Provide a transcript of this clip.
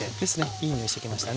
いい匂いしてきましたね。